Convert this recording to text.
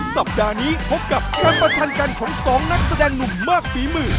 สัปดาห์นี้พบกับการประชันกันของสองนักแสดงหนุ่มมากฝีมือ